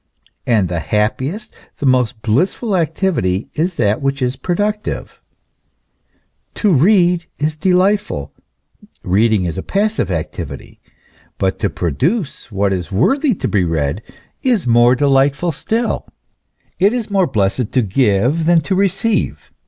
And the happiest, the most blissful activity is that which is productive. To read is delightful, * Tauler, 1. c. p. 312, 216 THE ESSENCE OF CHRISTIANITY. reading is passive activity ; but to produce what is worthy to be read is more delightful still. It is more blessed to give than to receive.